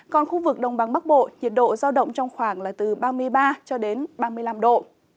còn khu vực đồng bằng bắc bộ nhiệt độ giao động trong khoảng là từ ba mươi ba cho đến ba mươi năm độ